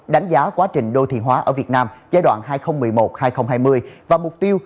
đánh giá quá trình đô thị hóa ở việt nam giai đoạn hai nghìn một mươi một hai nghìn hai mươi và mục tiêu